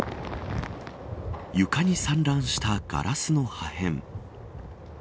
床に散乱したガラスの破片。